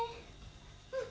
うん。